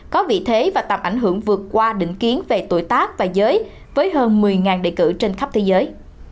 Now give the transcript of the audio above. có vị thế và tầm ảnh hưởng vượt qua định kiến về tuổi tác và giới với hơn một mươi đề cử trên khắp thế giới